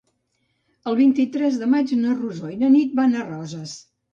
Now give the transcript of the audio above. El vint-i-tres de maig na Rosó i na Nit van a Roses.